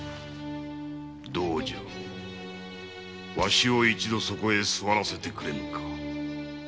どうじゃわしを一度そこへ座らせてくれぬか。